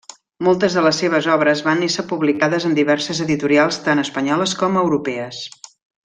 Moltes de les seves obres van ésser publicades en diverses editorials tant espanyoles com europees.